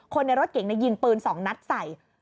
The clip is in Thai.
ในรถเก๋งยิงปืน๒นัดใส่